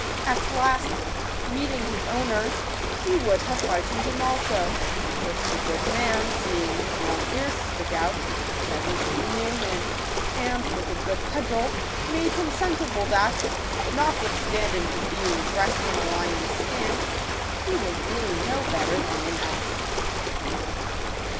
At last, meeting his owner, he would have frightened him also ; but the good man, seeing his long ears stick out, presently knew him, and, with a good cudgel, made him sensible that, notwith standing his being dressed in a lion's skin, he was really no better than an ass.